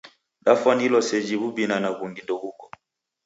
Dafwanilwa seji w'ubinana ghungi ndeghuko.